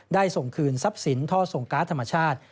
ส่งคืนทรัพย์สินท่อส่งการ์ดธรรมชาติ